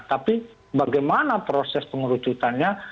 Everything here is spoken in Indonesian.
tapi bagaimana proses pengerucutannya